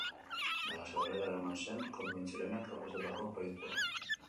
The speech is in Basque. Halaxe, aurrera eraman zen Koldo Mitxelenak aurkeztutako proiektua.